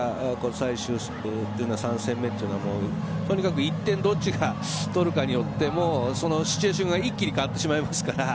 最終３戦目というのは１点、どっちが取るかによってシチュエーションが一気に変わってしまいますから。